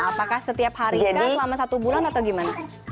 apakah setiap hari selama satu bulan atau gimana